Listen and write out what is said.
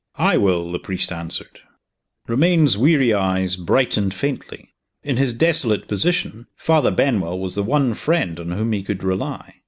"I will," the priest answered. Romayne's weary eyes brightened faintly. In his desolate position, Father Benwell was the one friend on whom he could rely.